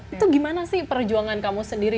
itu gimana sih perjuangan kamu sendiri